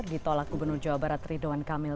ditolak gubernur jawa barat ridwan kamil